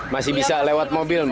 masih bisa lewat mobil